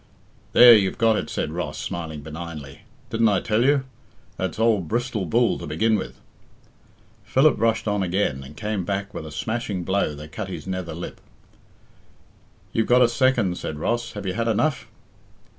"There, you've got it," said Ross, smiling benignly. "Didn't I tell you? That's old Bristol Bull to begin with." Philip rushed on again, and came back with a smashing blow that cut his nether lip. "You've got a second," said Ross. "Have you had enough?"